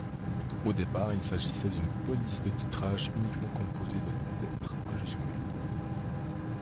Au départ, il s’agissait d’une police de titrage uniquement composée de lettres majuscules.